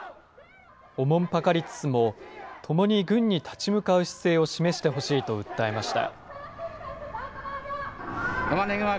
おもんぱかりつつも、共に軍に立ち向かう姿勢を示してほしいと訴えました。